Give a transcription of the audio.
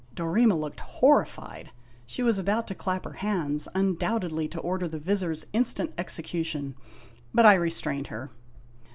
Dorema looked horrified. She was about to clap her hands, undoubtedly to order the Vizir's instant execution, but I restrained her.